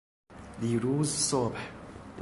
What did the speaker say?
دیروز صبح